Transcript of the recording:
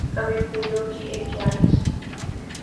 کبھی پھولوں کی اک کیاری سی